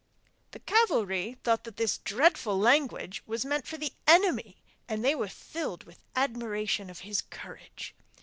The cavalry thought that this dreadful language was meant for the enemy, and were filled with admiration of his courage.